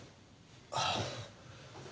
ああ。